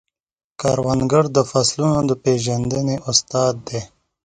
کروندګر د فصلونو د پیژندنې استاد دی